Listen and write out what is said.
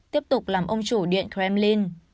tiếp tục làm ông chủ điện kremlin